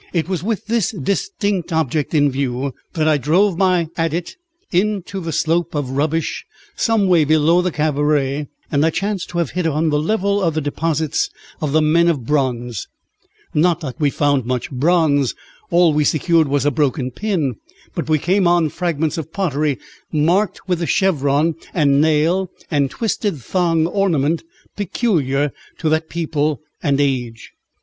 It was with this distinct object in view that I drove my adit into the slope of rubbish some way below the cabaret, and I chanced to have hit on the level of the deposits of the men of bronze. Not that we found much bronze all we secured was a broken pin but we came on fragments of pottery marked with the chevron and nail and twisted thong ornament peculiar to that people and age.